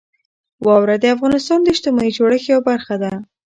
واوره د افغانستان د اجتماعي جوړښت یوه برخه ده.